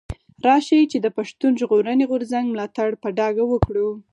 راشئ چي د پښتون ژغورني غورځنګ ملاتړ په ډاګه وکړو.